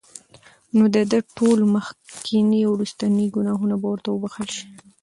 نو د ده ټول مخکيني او وروستني ګناهونه به ورته وبخښل شي